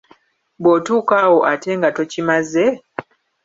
Bw'otuuka awo ate nga tokimaze?